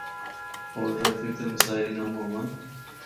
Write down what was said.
ہور ٹریفک دے مسائل کم ہون۔